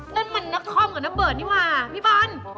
นั่นมันนักท่อมกับนักเบิร์ดนี่ว่าพี่บอล